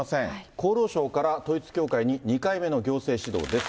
厚労省から統一教会に２回目の行政指導です。